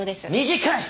短い！